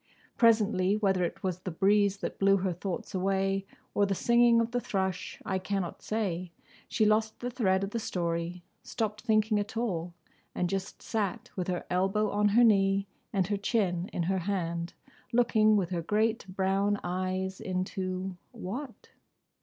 Presently—whether it was the breeze that blew her thoughts away, or the singing of the thrush, I cannot say—she lost the thread of the story; stopped thinking at all; and just sat with her elbow on her knee and her chin in her hand, looking with her great brown eyes into—what?